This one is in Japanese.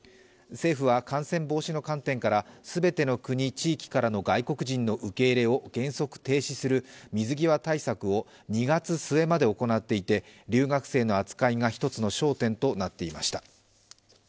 政府は感染防止の観点から全ての国、地域からの外国人の受け入れを原則停止する水際対策を２月末まで行っていて留学生の扱いが一つの焦点となっていました。